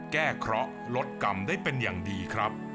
แก้เคราะห์ลดกรรมได้เป็นอย่างดีครับ